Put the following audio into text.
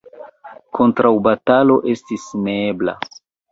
Kontraŭbatalo estis neebla.